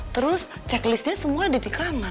terus checklistnya semua di kamar